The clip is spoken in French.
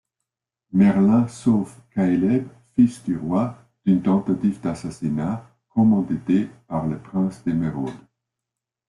Merlin sauve Cayleb, fils du roi, d’une tentative d’assassinat commanditée par le prince d’Emeraude.